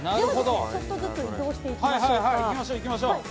ちょっとずつ移動していきましょうか。